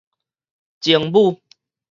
精武